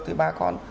thì bà con